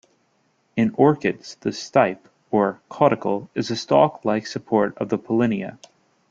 In orchids, the stipe or caudicle is the stalk-like support of the pollinia.